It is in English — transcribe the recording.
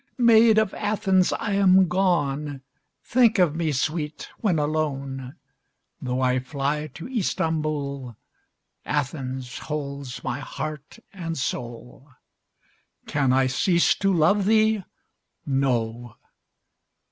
~ Maid of Athens! I am gone: Think of me, sweet! when alone. Though I fly to Istambol, Athens holds my heart and soul: Can I cease to love thee? No!